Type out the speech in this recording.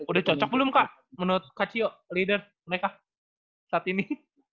udah cocok belum kak menurut kak cio leader mereka saat ini